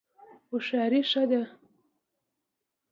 هوښیاري ښه ده.